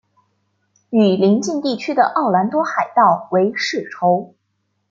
与邻近地区的奥兰多海盗为世仇。